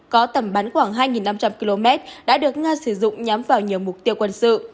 có tầm bắn khoảng hai năm trăm linh km đã được nga sử dụng nhắm vào nhiều mục tiêu quân sự